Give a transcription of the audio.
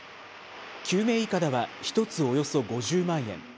救命いかだは１つおよそ５０万円。